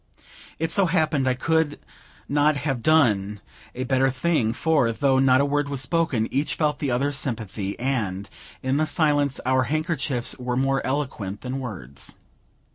It so happened I could not have done a better thing; for, though not a word was spoken, each felt the other's sympathy; and, in the silence, our handkerchiefs were more eloquent than words.